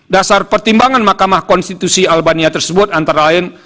dasar pertimbangan mahkamah konstitusi albania tersebut antara lain